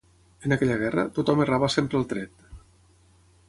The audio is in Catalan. En aquella guerra, tothom errava sempre el tret